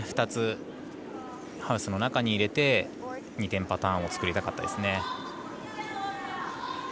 ２つ、ハウスの中に入れて２点パターンを作りたかったです。